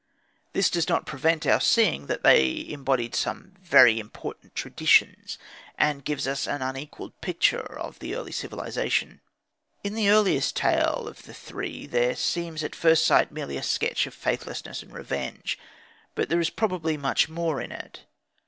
This does not prevent our seeing that they embodied some very important traditions, and gives us an unequalled picture of the early civilisation. In the earliest tale or the three there seems at first sight merely a sketch of faithlessness and revenge. But there is probably much more in it.